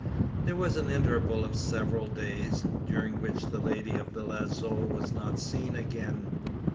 There was an interval of several days during which the lady of the lazo was not seen again.